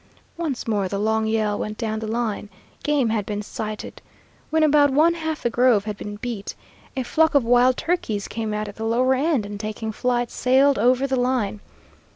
Once more the long yell went down the line. Game had been sighted. When about one half the grove had been beat, a flock of wild turkeys came out at the lower end, and taking flight, sailed over the line.